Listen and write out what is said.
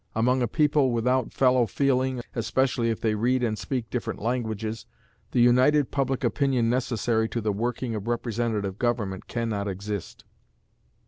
Among a people without fellow feeling, especially if they read and speak different languages, the united public opinion necessary to the working of representative government can not exist.